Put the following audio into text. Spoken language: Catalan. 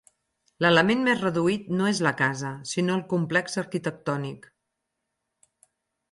L'element més reduït no és la casa, sinó el complex arquitectònic.